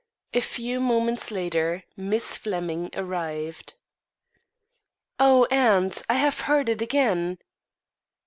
A few moments later Miss Flemming arrived. "Oh, aunt! I have heard it again."